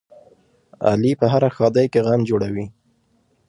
علي په هره ښادۍ کې غم جوړوي.